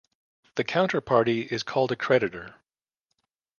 The counterparty is called a creditor.